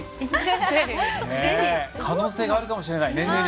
可能性があるかもしれない。